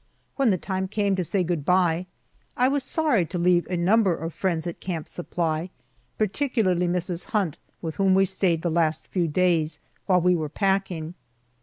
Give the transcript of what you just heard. When the time came to say good by, I was sorry to leave a number of the friends at Camp Supply, particularly Mrs. Hunt, with whom we stayed the last few days, while we were packing.